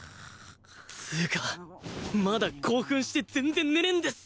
つうかまだ興奮して全然寝れんです！